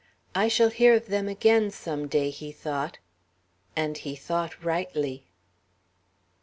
"I shall hear of them again, some day," he thought. And he thought rightly.